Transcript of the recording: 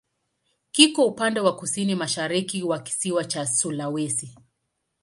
Kiko upande wa kusini-mashariki wa kisiwa cha Sulawesi.